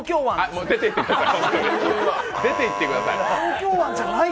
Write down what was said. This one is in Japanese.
もう、出ていってください。